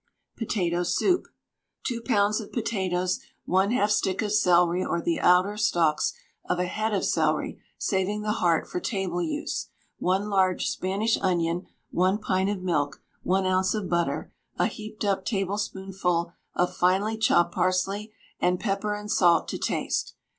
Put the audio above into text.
POTATO SOUP. 2 lbs. of potatoes, 1/2 stick of celery or the outer stalks of a head of celery, saving the heart for table use; 1 large Spanish onion, 1 pint of milk, 1 oz. of butter, a heaped up tablespoonful of finely chopped parsley, and pepper and salt to taste.